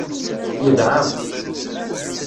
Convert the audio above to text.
Yedɛa.